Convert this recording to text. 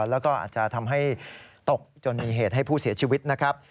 แล้วก็อาจจะทำให้ตกจนมีเหตุให้ผู้เสียชีวิตนะครับ